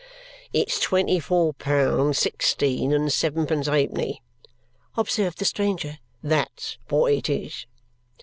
"It's twenty four pound, sixteen, and sevenpence ha'penny," observed the stranger. "That's wot it is."